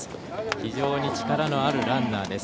非常に力のあるランナーです。